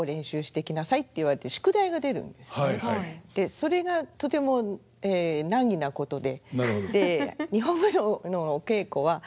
それがとても難儀なことで。